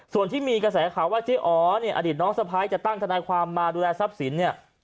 ส่วนที่มีกระแสข่าวว่าเจ๊อ๋อเนี่ยอดีตน้องสะพ้ายจะตั้งทนายความมาดูแลทรัพย์สินเนี่ย